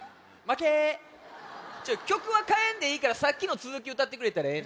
きょくはかえんでいいからさっきのつづきうたってくれたらええねん。